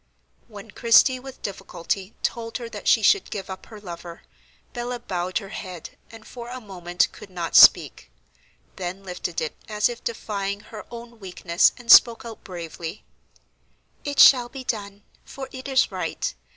When Christie with difficulty told her that she should give up her lover, Bella bowed her head, and for a moment could not speak, then lifted it as if defying her own weakness, and spoke out bravely: "It shall be done, for it is right.